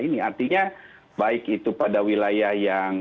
ini artinya baik itu pada wilayah yang